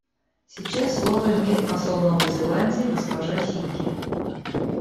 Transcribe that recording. Сейчас слово имеет посол Новой Зеландии госпожа Хигги.